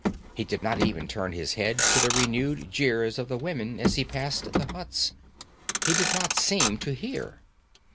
He did not even turn his head to the renewed jeers of the women as he passed the huts. He did not seem to hear.